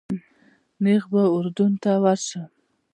نیغ به اردن ته ورشم.